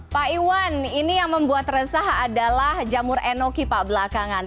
pak iwan ini yang membuat resah adalah jamur enoki pak belakangan